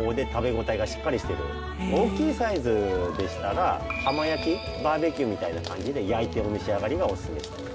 大きいサイズでしたら浜焼きバーベキューみたいな感じで焼いてお召し上がりがおすすめしてます。